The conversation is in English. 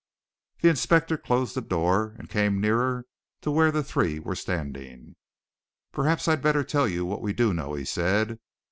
The inspector closed the door and came nearer to where the three were standing. "Perhaps I'd better tell you what we do know," he said.